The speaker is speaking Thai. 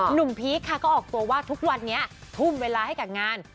พีคค่ะก็ออกตัวว่าทุกวันนี้ทุ่มเวลาให้กับงาน